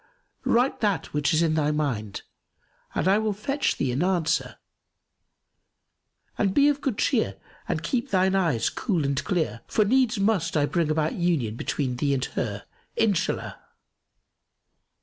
Write that which is in thy mind and I will fetch thee an answer, and be of good cheer and keep thine eyes cool and clear; for needs must I bring about union between thee and her,— Inshallah!"